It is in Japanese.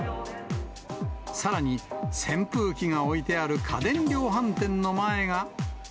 さらに扇風機が置いてある家電量販店の前が。